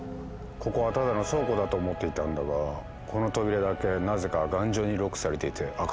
ここはただの倉庫だと思っていたんだがこの扉だけなぜか頑丈にロックされていて開かないんだ。